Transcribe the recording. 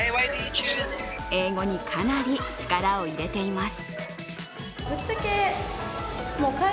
英語にかなり力を入れています。